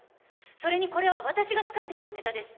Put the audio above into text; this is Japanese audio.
それにこれは私がつかんできたネタです